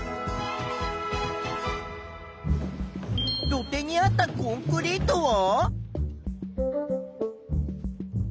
土手にあったコンクリートは？